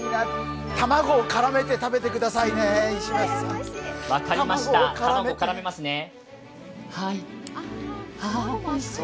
卵を絡めて食べてくださいね、石橋さん。